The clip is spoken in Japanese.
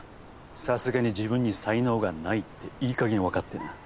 さすがに自分に才能がないっていいかげん分かってな。